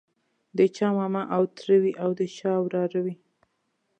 د چا ماما او تره وي او د چا وراره وي.